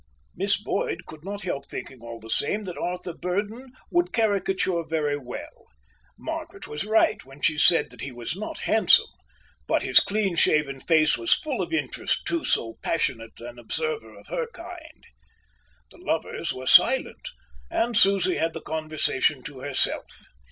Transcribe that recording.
Miss Boyd could not help thinking all the same that Arthur Burdon would caricature very well. Margaret was right when she said that he was not handsome, but his clean shaven face was full of interest to so passionate an observer of her kind. The lovers were silent, and Susie had the conversation to herself.